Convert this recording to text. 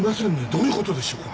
どういう事でしょうか？